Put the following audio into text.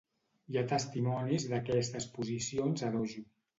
Hi ha testimonis d'aquestes posicions a dojo.